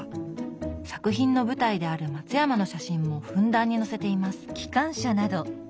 作品の舞台である松山の写真もふんだんに載せています。